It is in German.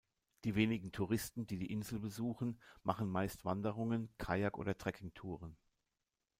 Die wenigen Touristen, die die Insel besuchen, machen meist Wanderungen, Kajak- oder Trekking-Touren.